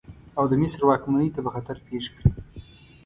او د مصر واکمنۍ ته به خطر پېښ کړي.